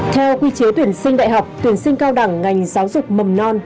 theo quy chế tuyển sinh đại học tuyển sinh cao đẳng ngành giáo dục mầm non